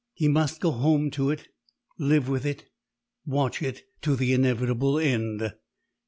He must go home to it, live with it, watch it to the inevitable end.